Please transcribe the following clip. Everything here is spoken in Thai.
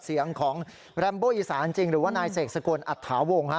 เสียงของแรมโบอีสานจริงหรือว่านายเสกสกลอัตถาวงฮะ